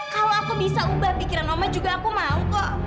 kalau aku bisa ubah pikiran oma juga aku mau kok